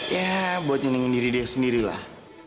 ya buat nyenengin diri dia sendirilah